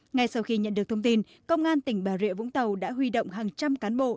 ngay sau khi nhận được thông tin công an tỉnh bà rịa vũng tàu đã huy động hàng trăm cán bộ